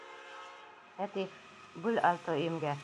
Фәтих, бүл алты өйөмгә.